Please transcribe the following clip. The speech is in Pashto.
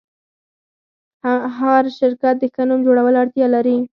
هر شرکت د ښه نوم جوړولو اړتیا لري.